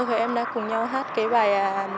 thì em đã cùng nhau hát cái bài